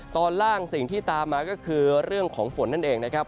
ตอนล่างสิ่งที่ตามมาก็คือเรื่องของฝนนั่นเองนะครับ